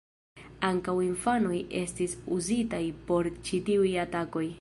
Ankaŭ infanoj estis uzitaj por ĉi tiuj atakoj.